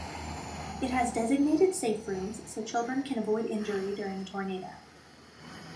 It has designated safe rooms so children can avoid injury during a tornado.